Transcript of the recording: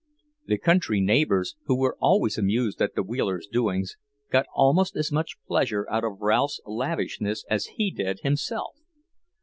The country neighbours, who were always amused at the Wheelers' doings, got almost as much pleasure out of Ralph's lavishness as he did himself.